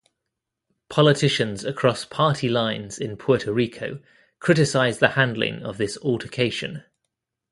Politicians across party lines in Puerto Rico criticized the handling of this altercation.